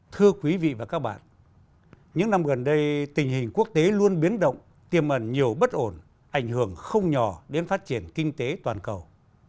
thưa quý vị và các bạn những năm gần đây tình hình quốc tế luôn biến động tiềm ẩn nhiều bất ổn ảnh hưởng không nhỏ đến phát triển kinh tế toàn cầu